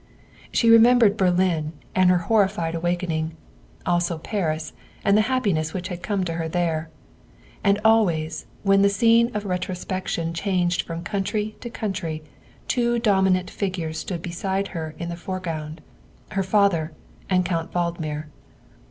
She remembered Berlin and her horrified awakening; also Paris, and the happiness which had come to her there. And always when the scene of retrospection changed from country to country, two dominant figures stood beside her in the foreground her father and Count Valdmir.